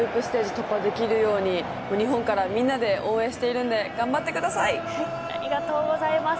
突破できるように日本からみんなで応援しているんでありがとうございます。